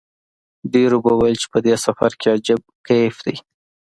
ډېرو به ویل په دې سفر کې عجیب کیف دی.